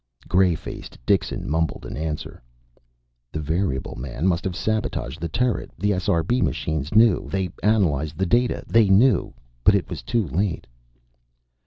_" Gray faced, Dixon mumbled an answer. "The variable man must have sabotaged the turret. The SRB machines knew.... They analyzed the data. They knew! But it was too late."